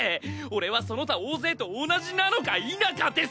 俺はその他大勢と同じなのか否かです！